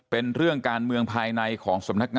เป็นเรื่องการเมืองภายในของสำนักงาน